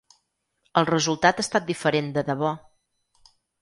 El resultat ha estat diferent de debò.